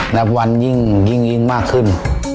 และวันยิ่งมากขึ้น